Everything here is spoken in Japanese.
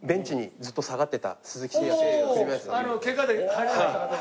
おおケガで入れなかった方だ。